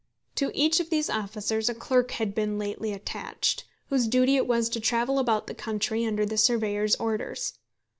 To each of these officers a clerk had been lately attached, whose duty it was to travel about the country under the surveyor's orders.